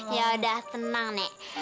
yaudah tenang nek